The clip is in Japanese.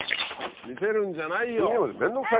見せるんじゃないよ！